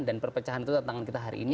dan perpecahan itu datang dari kita hari ini